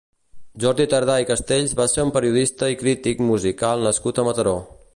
Jordi Tardà i Castells va ser un periodista i crític musical nascut a Mataró.